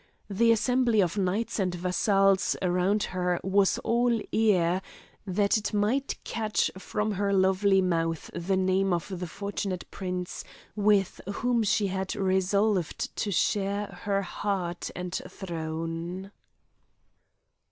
The assembly of knights and vassals around her was all ear, that it might catch from her lovely mouth the name of the fortunate prince with whom she had resolved to share her heart and throne.